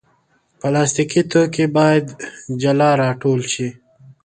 پلاستيکي توکي باید جلا راټول شي.